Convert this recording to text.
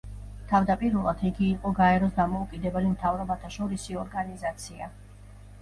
თავდაპირველად იგი იყო გაეროს დამოუკიდებელი მთავრობათაშორისი ორგანიზაცია.